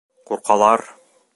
Ҡурҡалар!